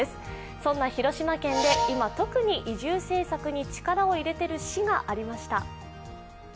そんな広島県で特に今、移住政策に力を入れている市がありました。